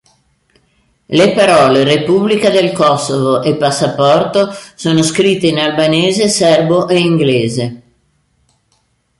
Le parole "Repubblica del Kosovo" e "Passaporto" sono scritte in albanese, serbo e inglese.